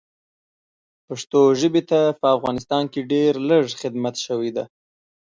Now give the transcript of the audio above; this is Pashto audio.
پښتو ژبې ته په افغانستان کې ډېر لږ خدمت شوی ده